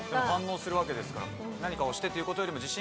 反応するわけですから何かをしてということよりも。